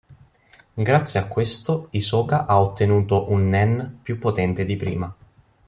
Grazie a questo, Hisoka ha ottenuto un nen più potente di prima.